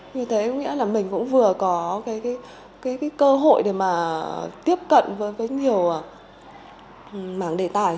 như thế có nghĩa là mình cũng vừa có cái cơ hội để mà tiếp cận với nhiều mảng đề tài